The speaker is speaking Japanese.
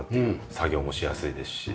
作業もしやすいですし。